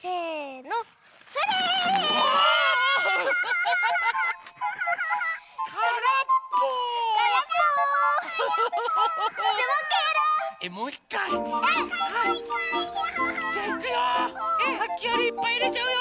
さっきよりいっぱいいれちゃうよ。